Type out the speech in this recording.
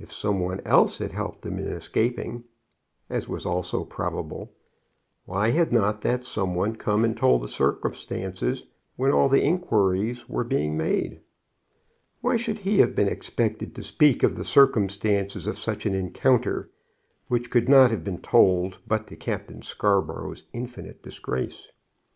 If some one else had helped him in escaping, as was also probable, why had not that some one come and told the circumstances when all the inquiries were being made? Why should he have been expected to speak of the circumstances of such an encounter, which could not have been told but to Captain Scarborough's infinite disgrace?